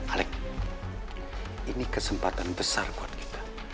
alec ini kesempatan besar buat kita